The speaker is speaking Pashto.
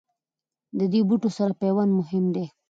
د دې بوټو سره پیوند مهم دی.